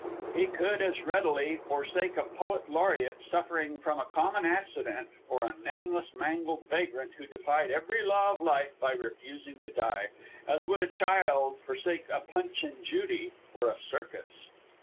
He would as readily forsake a poet laureate suffering from a common accident for a nameless, mangled vagrant who defied every law of life by refusing to die, as would a child forsake a Punch and Judy for a circus.